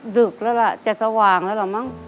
ดึกแล้วล่ะจะสว่างแล้วล่ะมั้ง